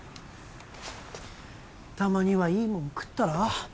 たまにはいいもん食ったら？